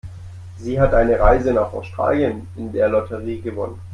Sie hat eine Reise nach Australien in der Lotterie gewonnen.